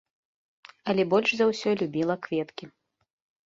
Але больш за ўсё любіла кветкі.